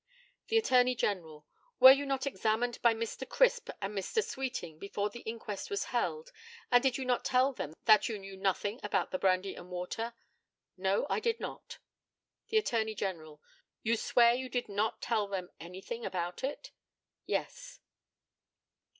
The ATTORNEY GENERAL: Were you not examined by Mr. Crisp and Mr. Sweeting before the inquest was held, and did you not tell them that you knew nothing about the brandy and water? No, I did not. The ATTORNEY GENERAL: You swear you did not tell them anything about it? Yes.